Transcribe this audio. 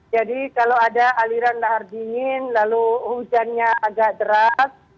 jadi kalau ada aliran lahar dingin lalu hujannya agak deras